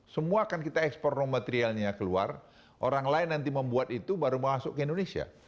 semua akan kita ekspor raw materialnya keluar orang lain nanti membuat itu baru masuk ke indonesia